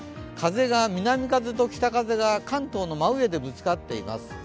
風が南風と北風が関東の真上でぶつかっています。